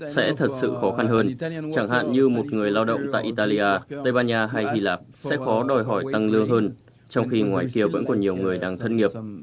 sẽ thật sự khó khăn hơn chẳng hạn như một người lao động tại italia tây ban nha hay hy lạp sẽ khó đòi hỏi tăng lương hơn trong khi ngoài kia vẫn còn nhiều người đang thân nghiệp